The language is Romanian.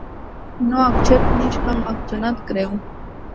Nu accept nici că am acționat greu.